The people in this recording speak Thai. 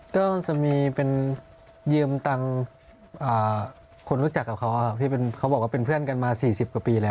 ต้องมีเป็นเยืมตังค์โครชักกับเค้าครับครับเขาบอกว่าเป็นเพื่อนกันมา๔๐กว่าปีแล้ว